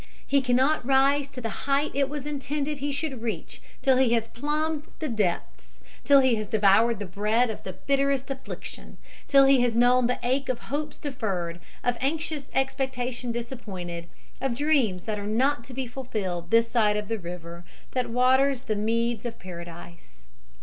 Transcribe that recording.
He cannot rise to the height it was intended he should reach till he has plumbed the depths, till he has devoured the bread of the bitterest affliction, till he has known the ache of hopes deferred, of anxious expectation disappointed, of dreams that are not to be fulfilled this side of the river that waters the meads of Paradise.